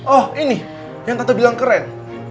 oh ini yang kata bilang keren